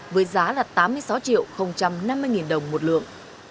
với giá là tám mươi sáu triệu năm mươi đồng một lượng